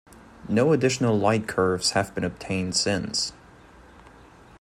No additional lightcurves have been obtained since.